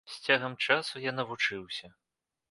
З цягам часу я навучыўся.